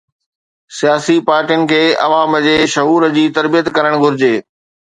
سياسي پارٽين کي عوام جي شعور جي تربيت ڪرڻ گهرجي.